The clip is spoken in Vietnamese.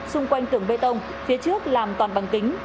xung quanh tường bê tông phía trước làm toàn bằng kính